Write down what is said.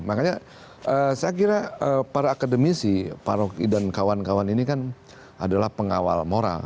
makanya saya kira para akademisi para kawan kawan ini kan adalah pengawal moral